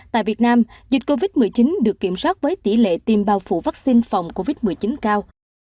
tại việt nam dịch covid một mươi chín được kiểm soát với tỷ lệ tiêm bao phủ vaccine phòng covid một mươi chín cao